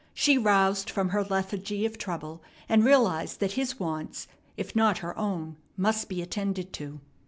She roused from her lethargy of trouble, and realized that his wants if not her own must be attended to.